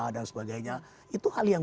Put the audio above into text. dan sebagainya itu hal yang